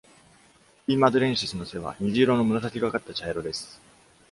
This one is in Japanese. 「P. madurensis」の背は、虹色の紫がかった茶色です。